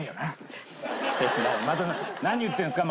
何言ってるんですか？